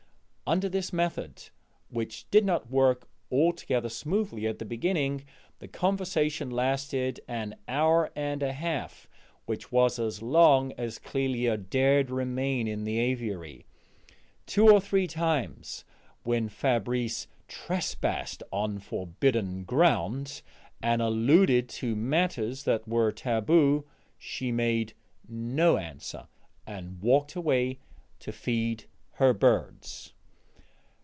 Under this method, which did not work altogether smoothly at the beginning, the conversation lasted an hour and a half, which was as long as Clélia dared remain in the aviary. Two or three times, when Fabrice trespassed on forbidden ground and alluded to matters that were taboo, she made no answer and walked away to feed her birds.